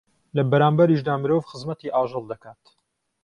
لە بەرانبەریشیدا مرۆڤ خزمەتی ئاژەڵ دەکات